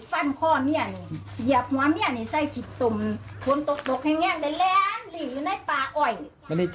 ถ้าพ่อเลี้ยงคนนี้เกิดอะไรมานี่